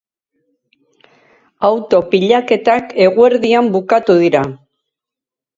Auto-pilaketak eguerdian bukatu dira.